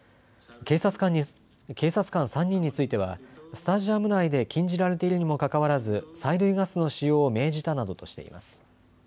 警察官３人についてはスタジアム内で禁じられているにもかかわらず催涙ガスの使用を命じたなどとしています。